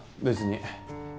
別に。